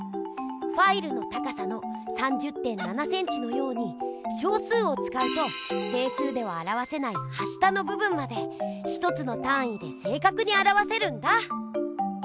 ファイルの高さの３０．７センチのように小数をつかうと整数ではあらわせないはしたのぶ分まで１つのたんいで正かくにあらわせるんだ！